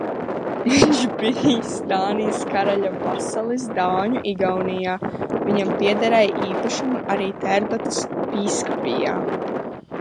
Viņš bijs Dānijas karaļa vasalis Dāņu Igaunijā, viņam piederēja īpašumi arī Tērbatas bīskapijā.